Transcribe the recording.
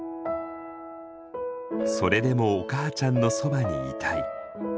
「それでもおかあちゃんのそばにいたい」。